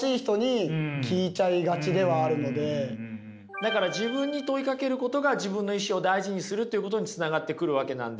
だから自分に問いかけることが自分の意志を大事にするということにつながってくるわけなんですけど。